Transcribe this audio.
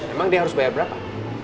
emang dia harus bayar berapa